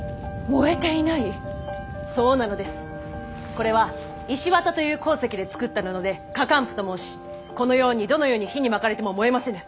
これは石綿という鉱石で作った布で火かん布と申しこのようにどのように火に巻かれても燃えませぬ。